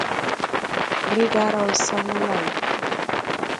Rega raw saŋ lay.